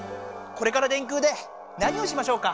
これから「電空」で何をしましょうか？